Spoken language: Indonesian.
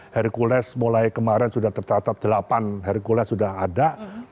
hercules mulai kemarin sudah tercatat delapan hercules sudah ada